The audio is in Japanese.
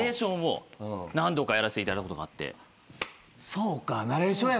そうか。